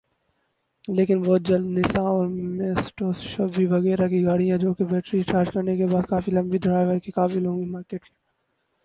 لیکن بہت جلد نسان اور میٹسوبشی وغیرہ کی گاڑیاں جو کہ بیٹری چارج کرنے کے بعد کافی لمبی ڈرائیو کے قابل ہوں گی مارکیٹ میں